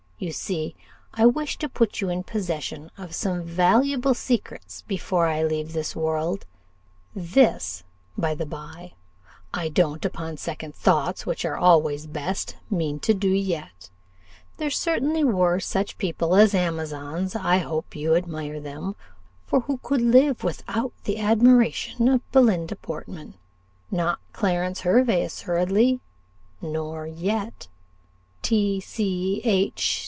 You see I wish to put you in possession of some valuable secrets before I leave this world this, by the bye, I don't, upon second thoughts, which are always best, mean to do yet. There certainly were such people as Amazons I hope you admire them for who could live without the admiration of Belinda Portman? not Clarence Hervey assuredly nor yet "T. C. H.